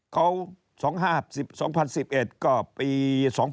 เขา๒๐๑๑ก็ปี๒๕๕๔